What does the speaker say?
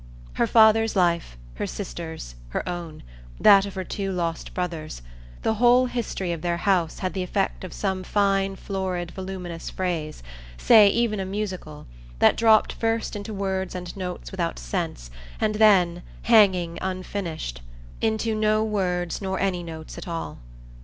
Her father's life, her sister's, her own, that of her two lost brothers the whole history of their house had the effect of some fine florid voluminous phrase, say even a musical, that dropped first into words and notes without sense and then, hanging unfinished, into no words nor any notes at all.